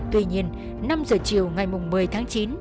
tuy nhiên năm giờ chiều ngày một mươi tháng chín